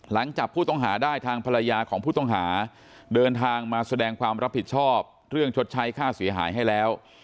หลังจับผู้ต้องหาได้ทางภรรยาของผู้ต้องหาเดินทางมาแสดงความรับผิดชอบเรื่องชดใช้ค่าเสียหายให้แล้ว